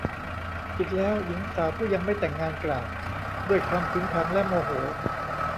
อีกแล้ว หญิงสาวผู้ยังไม่แต่งงานกล่าวด้วยความขึงขังและโมโห